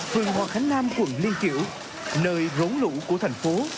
phường hòa khánh nam quận liên kiểu nơi rốn lũ của thành phố